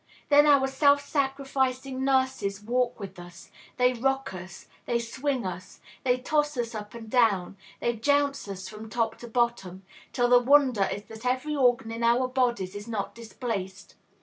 Then our self sacrificing nurses walk with us; they rock us, they swing us, they toss us up and down, they jounce us from top to bottom, till the wonder is that every organ in our bodies is not displaced.